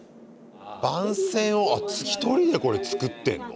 番宣をあ１人でこれ作ってんの？